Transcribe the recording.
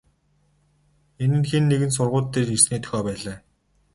Энэ нь хэн нэгэн сургууль дээр ирсний дохио байлаа.